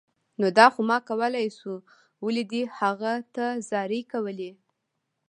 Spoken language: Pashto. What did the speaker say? نو دا خو ما کولای شو، ولې دې هغه ته زارۍ کولې